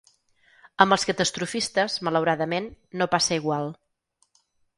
Amb els catastrofistes, malauradament, no passa igual.